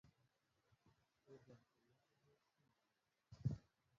Óɓem oláá ɓɔ tí nlem.